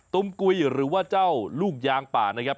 ุ่มกุยหรือว่าเจ้าลูกยางป่านะครับ